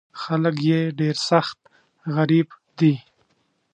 خلک یې ډېر سخت غریب دي.